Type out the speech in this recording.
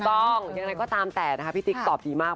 ยังไงก็ตามแต่พี่ติ๊กตอบดีมาก